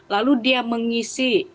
lalu dia mengisi